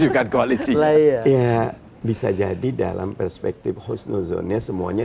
therapeutic bisa jadi dalam perspektif khusus errornya semuanya